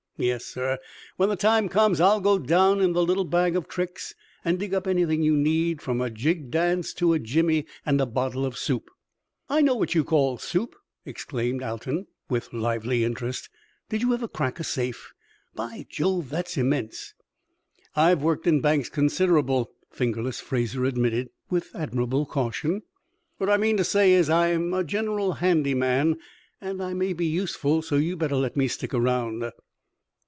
Yes, sir! When the time comes I'll go down in the little bag of tricks and dig up anything you need, from a jig dance to a jimmy and a bottle of soup." "I know what you call 'soup'!" exclaimed Alton, with lively interest. "Did you ever crack a safe? By Jove, that's immense!" "I've worked in banks, considerable," "Fingerless" Fraser admitted, with admirable caution. "What I mean to say is, I'm a general handy man, and I may be useful, so you better let me stick around."